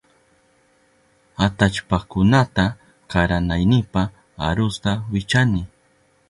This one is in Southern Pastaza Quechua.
Atallpakunata karanaynipa arusta wichani.